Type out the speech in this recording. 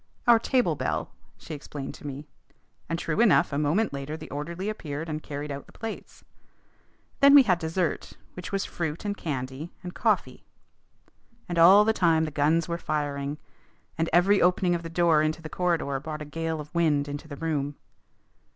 "Our table bell," she explained to me. And, true enough, a moment later the orderly appeared and carried out the plates. Then we had dessert, which was fruit and candy, and coffee. And all the time the guns were firing, and every opening of the door into the corridor brought a gale of wind into the room.